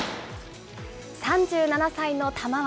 ３７歳の玉鷲。